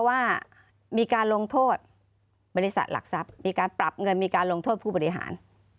ว่ามีการลงโทษบริษัทหลักทรัพย์มีการปรับเงินมีการลงโทษผู้บริหาร